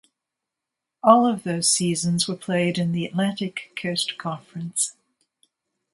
All of those seasons were played in the Atlantic Coast Conference.